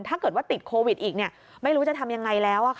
ถ้าเกิดติดโควิดอีกไม่รู้จะทำยังไงแล้ว